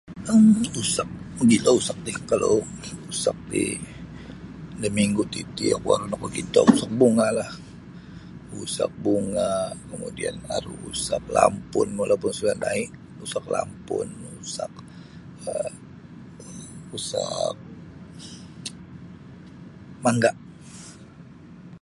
um usak mogilo usak ti kalau usak ti da minggu titi aru oku nokokito usak bungalah usak bunga kemudian aru usak lampun walaupun sudah nai' usak lampun um usak um usak um mangga.